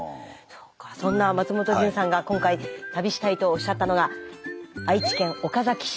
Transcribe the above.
そんな松本潤さんが今回旅したいとおっしゃったのが愛知県岡崎市。